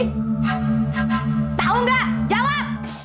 dev tau gak jawab